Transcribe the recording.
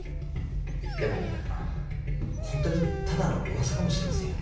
でも本当にただのうわさかもしれませんよ。